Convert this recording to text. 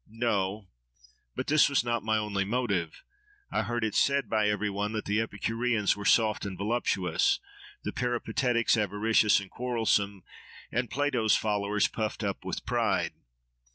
—No! But this was not my only motive. I heard it said by every one that the Epicureans were soft and voluptuous, the Peripatetics avaricious and quarrelsome, and Plato's followers puffed up with pride.